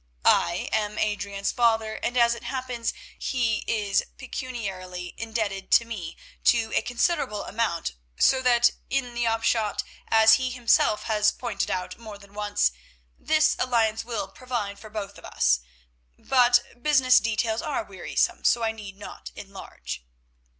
I am Adrian's father, and, as it happens, he is pecuniarily indebted to me to a considerable amount, so that, in the upshot, as he himself has pointed out more than once, this alliance will provide for both of us. But business details are wearisome, so I need not enlarge."